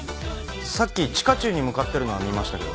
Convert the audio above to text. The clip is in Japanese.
さっき地下駐に向かってるのは見ましたけど。